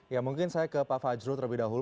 ya mungkin saya ke pak fajrul terlebih dahulu